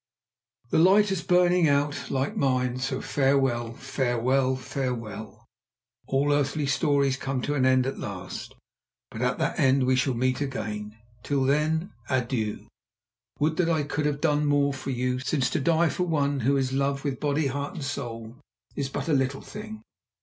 "The light is burning out—like mine—so farewell, farewell, farewell! All earthly stories come to an end at last, but at that end we shall meet again. Till then, adieu. Would that I could have done more for you, since to die for one who is loved with body, heart and soul is but a little thing.